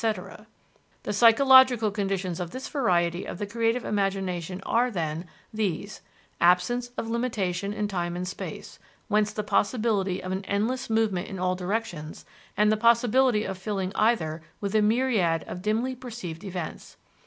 " The psychologic conditions of this variety of the creative imagination are, then, these: Absence of limitation in time and space, whence the possibility of an endless movement in all directions, and the possibility of filling either with a myriad of dimly perceived events.